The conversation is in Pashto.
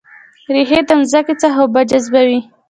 ریښې د ځمکې څخه اوبه جذبوي